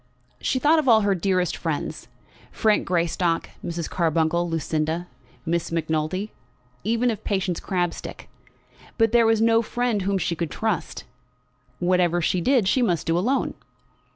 She thought of all her dearest friends, Frank Greystock, Mrs. Carbuncle, Lucinda, Miss Macnulty, even of Patience Crabstick, but there was no friend whom she could trust. Whatever she did she must do alone!